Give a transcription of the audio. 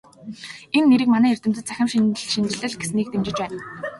Энэ нэрийг манай эрдэмтэд "Цахим хэлшинжлэл" гэснийг дэмжиж байна.